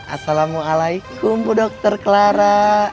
assalamualaikum bu dokter clara